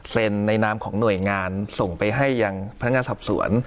ในนามของหน่วยงานส่งไปให้ยังพนักงานสอบสวน